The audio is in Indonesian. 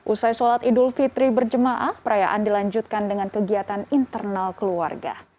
usai sholat idul fitri berjemaah perayaan dilanjutkan dengan kegiatan internal keluarga